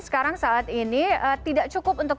sekarang saat ini tidak cukup untuk